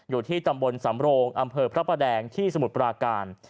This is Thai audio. อยู่ที่ตำบลสำโรงอำเภอพระประแดงที่สมุทรปราการ